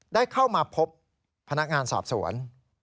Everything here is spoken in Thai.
ได้เข้ามาพบพนักงานสอบสวน